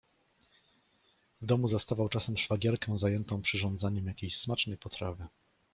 W domu zastawał czasem szwagierkę zajętą przyrządzaniem jakiejś smacznej potrawy.